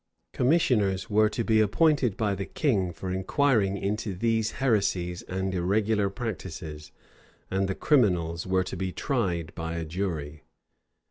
[*] Commissioners were to be appointed by the king for inquiring into these heresies and irregular practices; and the criminals were to be tried by a jury.